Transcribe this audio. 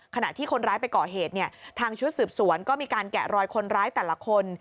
ขณะที่คนร้ายไปก่อเหตุเนี่ยทางชุดสืบสวนก็มีการแกะรอยคนร้ายแต่ละคน